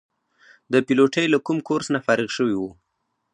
د پیلوټۍ له کوم کورس نه فارغ شوي وو.